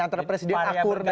antara presiden akur dan